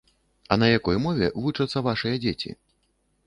А на якой мове вучацца вашыя дзеці?